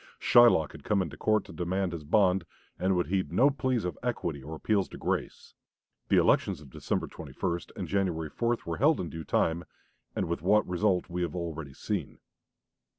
Shylock had come into court to demand his bond, and would heed no pleas of equity or appeals to grace. The elections of December 21 and January 4 were held in due time, and with what result we have already seen.